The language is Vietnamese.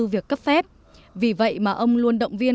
việc cấp phép vì vậy mà ông luôn động viên